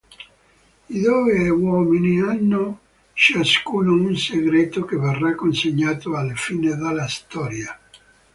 I due uomini hanno ciascuno un segreto che verrà consegnato alla fine della storia.